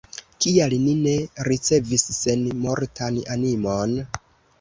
Kial ni ne ricevis senmortan animon?